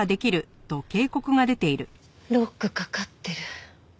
ロックかかってる。